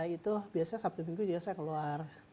itu biasanya sabtu minggu juga saya keluar